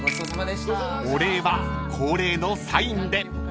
［お礼は恒例のサインで］